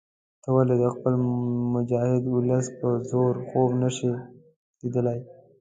ته ولې د خپل مجاهد ولس په زور خوب نه شې لیدلای.